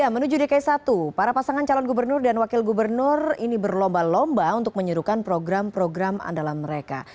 menuju dki satu para pasangan calon gubernur dan wakil gubernur ini berlomba lomba untuk menyerukan program program andalan mereka